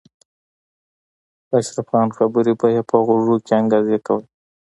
د اشرف خان خبرې به یې په غوږونو کې انګازې کولې